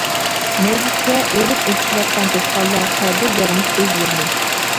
مەيدىسىگە ئۈرۈپ ئىچىشىۋاتقان توشقانلار سادىر دەرمىش ئۆزلىرىنى.